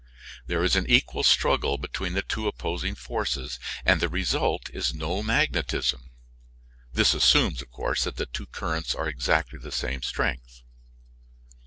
There is an equal struggle between the two opposing forces, and the result is no magnetism. This assumes that the two currents are exactly the same strength.